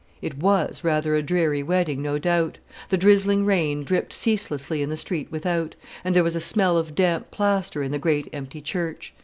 It was rather a dreary wedding, no doubt. The drizzling rain dripped ceaselessly in the street without, and there was a smell of damp plaster in the great empty church.